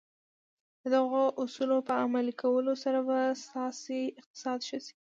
د دغو اصولو په عملي کولو سره به ستاسې اقتصاد ښه شي.